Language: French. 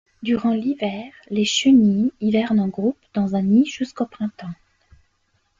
Durant l'hiver, les chenilles hivernent en groupe dans un nid jusqu'au printemps.